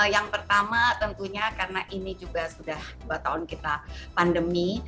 yang pertama tentunya karena ini juga sudah dua tahun kita pandemi